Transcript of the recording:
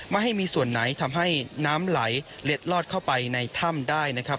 ไม่ให้มีส่วนไหนทำให้น้ำไหลเล็ดลอดเข้าไปในถ้ำได้นะครับ